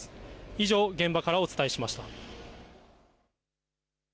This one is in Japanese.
以上、現場からお伝えしました。